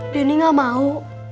denny nggak mau